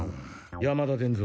山田伝蔵。